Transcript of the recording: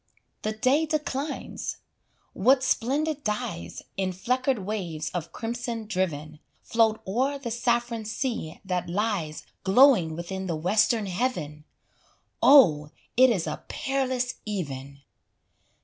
The day declines; what splendid dyes, In fleckered waves of crimson driven, Float o'er the saffron sea that lies Glowing within the western heaven! Oh, it is a peerless even!